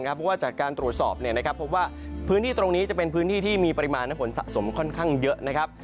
เพราะว่าจากการตรวจสอบพบว่าพื้นที่ตรงนี้จะเป็นพื้นที่ที่มีปริมาณฝนสะสมค่อนข้างเยอะนะครับ